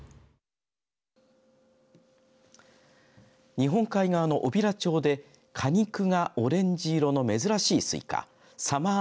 日本海側の小平町で果肉がオレンジ色の珍しいスイカサマー